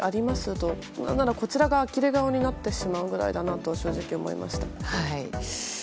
と何ならこちらがあきれ顔になってしまうくらいだなと正直思いました。